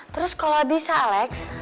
terus kalau bisa alex